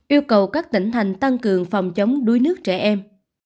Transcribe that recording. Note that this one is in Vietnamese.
yêu cầu các tỉnh thành tăng cường phòng chống đuối nước trẻ em